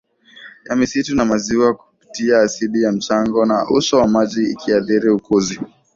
ya misitu na maziwa kupitia asidi ya mchanga na uso wa maji ikiathiri ukuzi